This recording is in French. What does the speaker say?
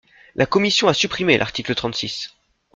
La commission a supprimé l’article trente-six.